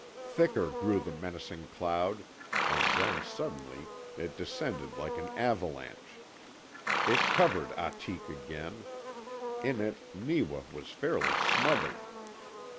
Thicker grew the menacing cloud, and then suddenly it descended like an avalanche. It covered Ahtik again. In it Neewa was fairly smothered.